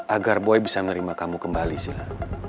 agar boy bisa menerima kamu kembali sih